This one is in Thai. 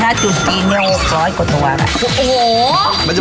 ถ้าหยุดจริงว่าร้อยกว่าตัว